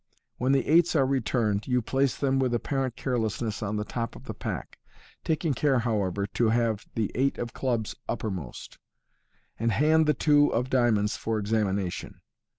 When the eights are returned, you place them with apparent careless ness on the top of the pack (taking care, however, to have the eight of clubs uppermost), and hand the two of dia monds for examination.